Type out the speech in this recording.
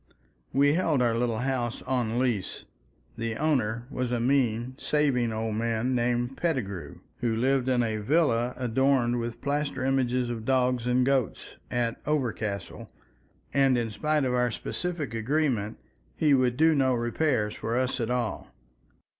We held our little house on lease; the owner was a mean, saving old man named Pettigrew, who lived in a villa adorned with plaster images of dogs and goats, at Overcastle, and in spite of our specific agreement, he would do no repairs for us at all.